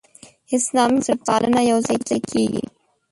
اسلامي بنسټپالنه یوځای کېږي.